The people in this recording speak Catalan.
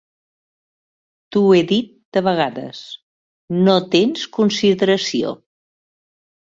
T'ho he dit de vegades, no tens consideració.